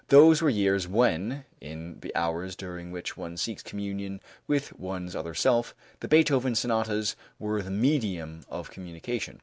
Those were years when, in the hours during which one seeks communion with one's other self, the Beethoven sonatas were the medium of communication.